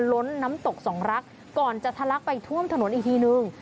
ล้นน้ำตกสองรักก่อนจะทะลักไปท่วมถนนอีกทีนึง